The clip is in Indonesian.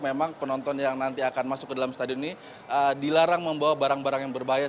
memang penonton yang nanti akan masuk ke dalam stadion ini dilarang membawa barang barang yang berbahaya